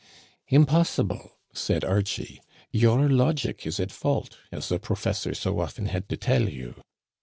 " Impossible," said Archie ;" your logic is at fault, as the professor so often had to tell you.